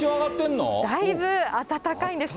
だいぶ暖かいんです。